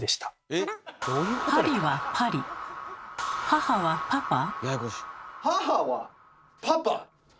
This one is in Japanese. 母はパパ。